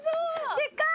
でっかい！